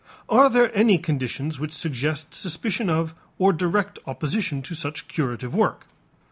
Are there any conditions which suggest suspicion of or direct opposition to such curative work?